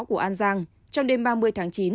của an giang trong đêm ba mươi tháng chín